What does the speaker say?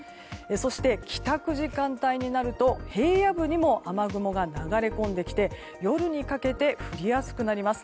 そして、帰宅時間帯になると平野部にも雨雲が流れ込んできて夜にかけて降りやすくなります。